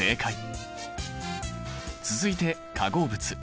続いて化合物。